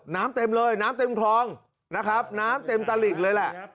เต็มเลยน้ำเต็มคลองนะครับน้ำเต็มตะหลิ่งเลยแหละ